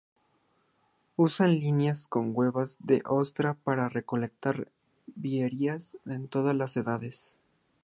Usan líneas con huevas de ostra para recolectar vieiras de todas las edades.